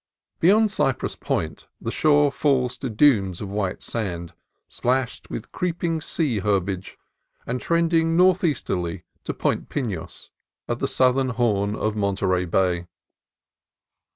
Beyond Cypress Point the shore falls to dunes of white sand, splashed with creeping sea herbage, and trending northeasterly to Point Pinos, at the south ern horn of Monterey Bay.